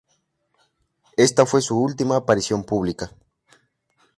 Esta fue su última aparición pública.